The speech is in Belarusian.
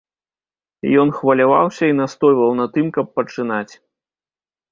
Ён хваляваўся і настойваў на тым, каб пачынаць.